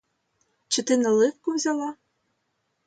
Чи ти наливку взяла?